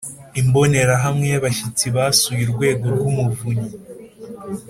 Imbonerahamwe y Abashyitsi basuye Urwego rw Umuvunyi